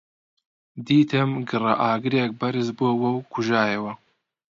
دیتم گڕەئاگرێک بەرز بۆوە و کوژایەوە